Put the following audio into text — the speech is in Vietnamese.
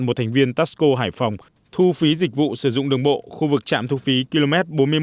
một thành viên taxco hải phòng thu phí dịch vụ sử dụng đường bộ khu vực trạm thu phí km bốn mươi một